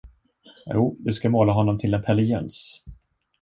Jo du ska måla honom till en Pelle Jöns.